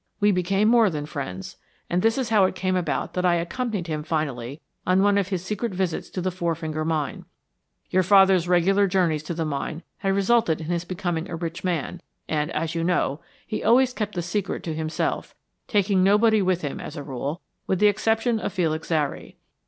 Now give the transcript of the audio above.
We became more than friends, and this is how it came about that I accompanied him finally on one of his secret visits to the Four Finger Mine. Your father's regular journeys to the mine had resulted in his becoming a rich man, and, as you know, he always kept the secret to himself, taking nobody with him as a rule, with the exception of Felix Zary.